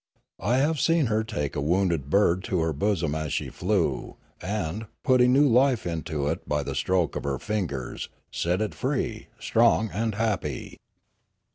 I have seen her take a wounded bird to her bosom as she flew, and, putting new life into it by the stroke of her fingers, set it free, strong and happy.